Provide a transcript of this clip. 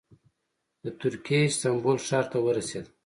د ترکیې استانبول ښار ته ورسېده.